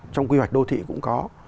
trong quy hoạch đô thị cũng có